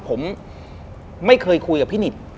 ผมไม่เคยคุยกับพี่นิด